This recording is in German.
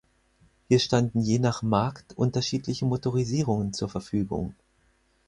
Hier standen je nach Markt unterschiedliche Motorisierungen zur Verfügung.